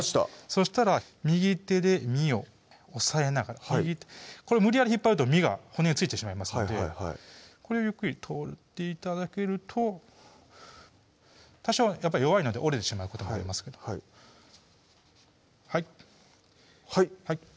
そしたら右手で身を押さえながらこれ無理やり引っ張ると身が骨に付いてしまいますのでこれをゆっくり取って頂けると多少やっぱり弱いので折れてしまうこともありますけどはい